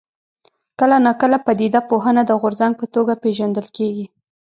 کله ناکله پدیده پوهنه د غورځنګ په توګه پېژندل کېږي.